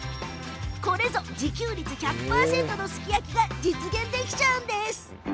自給率１００％のすき焼きが実現できちゃうんです。